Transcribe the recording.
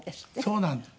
そうなんです。